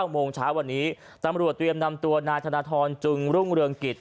โมงเช้าวันนี้ตำรวจเตรียมนำตัวนายธนทรจึงรุ่งเรืองกิจ